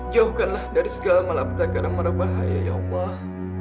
jauhkanlah dari segala malapetaka dan marabahaya ya allah